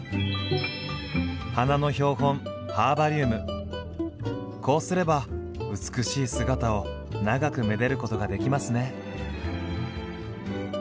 花の標本こうすれば美しい姿を長くめでることができますね。